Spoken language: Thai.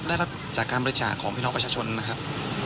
ส่วนมากแทบแต่แรกจากการบริจาคพี่นอกประชาชนนะครับ